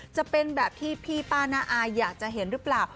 จะเป็นแบบที่พี่ป้าน้าอายอยากจะเห็นหรือเปล่า